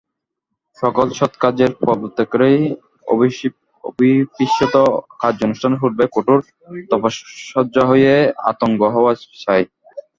সকল সৎকার্যের প্রবর্তকেরই অভীপ্সিত কার্যানুষ্ঠানের পূর্বে কঠোর তপস্যাসহায়ে আত্মজ্ঞ হওয়া চাই।